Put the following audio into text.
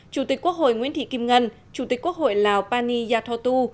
chủ tịch quốc hội nguyễn thị kim ngân chủ tịch quốc hội lào pani yathotu